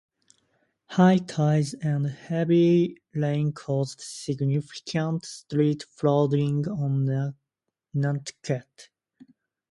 High tides and heavy rain caused significant street flooding on Nantucket.